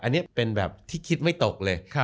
อันนี้เป็นแบบที่คิดไม่ตกเลย